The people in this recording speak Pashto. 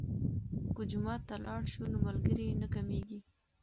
که جومات ته لاړ شو نو ملګري نه کمیږي.